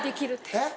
えっ？